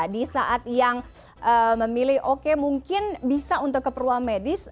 di saat yang memilih oke mungkin bisa untuk keperluan medis